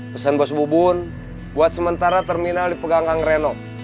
pesan gos bubun buat sementara terminal dipegang kang reno